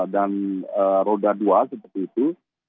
dan roda dua seperti itu